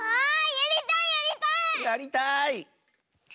やりたい！